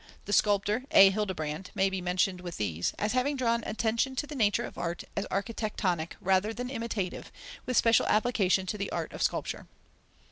The sculptor A. Hildebrand may be mentioned with these, as having drawn attention to the nature of art as architectonic rather than imitative, with special application to the art of sculpture.